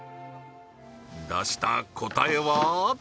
出した答えは？